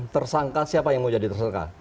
tersangka siapa yang mau jadi tersangka